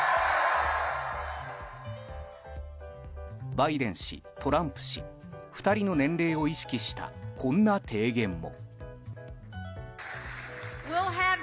バイデン氏、トランプ氏２人の年齢を意識したこんな提言も。